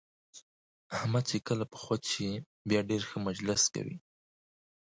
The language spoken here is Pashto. احمد چې کله په خود کې شي بیا ډېر ښه مجلس کوي.